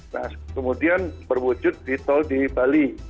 nah kemudian berwujud di tol di bali